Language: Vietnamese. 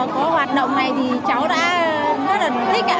có hoạt động này thì cháu đã rất là thích